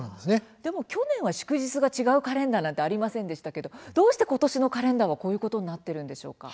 でも去年は祝日が違うカレンダーはありませんでしたがどうしてことしはこういうことになっているんでしょう。